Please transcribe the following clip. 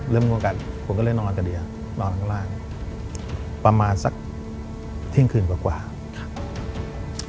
มั่วกันผมก็เลยนอนกับเดียนอนข้างล่างประมาณสักเที่ยงคืนกว่ากว่าครับ